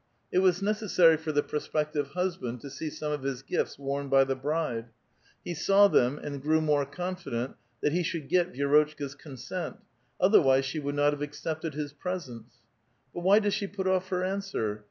It was necessary for the prospective husband to see some of his gifts worn by the bride ! He saw them and grew more confident that he should get Vi^rotchka's con sent ; otherwise, she would not have accepted his presents. But why does she put off her answer?